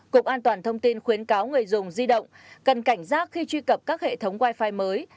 cục an toàn thông tin khuyến cáo người dùng di động cần cảnh giác khi truy cập các hệ thống wi fi mới